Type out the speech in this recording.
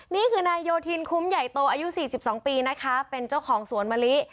นี่คือนายโยธินคุ้มใหญ่โตอายุ๔๒ปีนะคะเป็นเจ้าของสวนมะลิ